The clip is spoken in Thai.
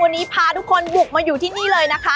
วันนี้พาทุกคนบุกมาอยู่ที่นี่เลยนะคะ